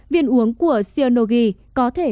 viên uống của xionogi có thể